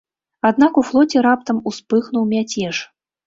Аднак у флоце раптам успыхнуў мяцеж.